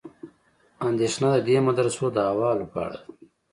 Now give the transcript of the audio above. اندېښنه د دې مدرسو د احوالو په اړه ده.